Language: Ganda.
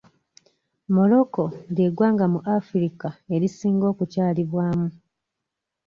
Morocco ly'eggwanga mu Afirika erisinga okukyalibwamu..